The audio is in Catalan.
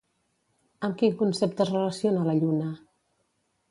Amb quin concepte es relaciona la lluna?